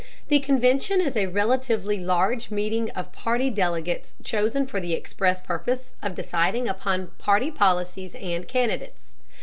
The convention is a relatively large meeting of party delegates chosen for the express purpose of deciding upon party policies and candidates.